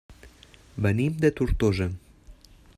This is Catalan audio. Venim de Tortosa.